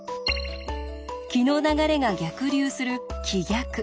気の流れが逆流する気逆。